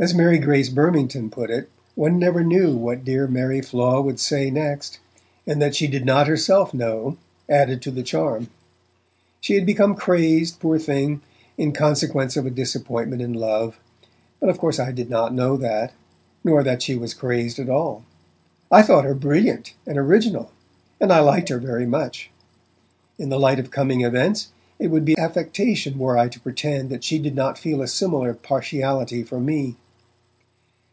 As Mary Grace Burmington put it, one never knew what dear Mary Flaw would say next, and that she did not herself know added to the charm. She had become crazed, poor thing, in consequence of a disappointment in love, but of course I did not know that, nor that she was crazed at all. I thought her brilliant and original, and I liked her very much. In the light of coming events, it would be affectation were I to pretend that she did not feel a similar partiality for me.